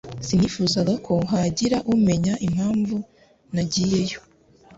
Sinifuzaga ko hagira umenya impamvu nagiyeyo